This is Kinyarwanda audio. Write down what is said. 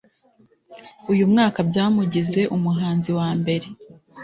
uyu mwaka, byamugize umuhanzi wa mbere